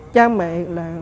cha mẹ là